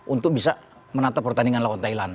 untuk bisa menata pertandingan lawan thailand